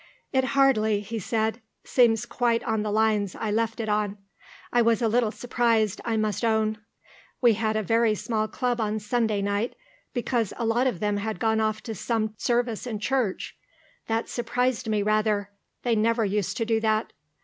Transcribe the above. "It hardly," he said, "seems quite on the lines I left it on. I was a little surprised, I must own. We had a very small Club on Sunday night, because a lot of them had gone off to some service in church. That surprised me rather. They never used to do that.